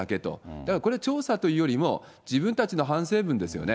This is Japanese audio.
だからこれ、調査というよりも、自分たちの反省文ですよね。